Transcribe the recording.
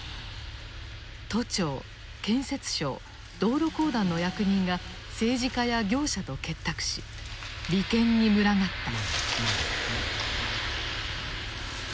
都庁建設省道路公団の役人が政治家や業者と結託し利権に群がった。